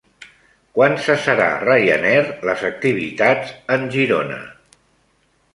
Quan cessarà Ryanair les activitats en Girona?